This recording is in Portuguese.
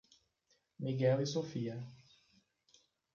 Miguel e Sophia